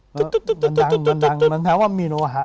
มันดังมันดังมันแถวว่ามีโลหะ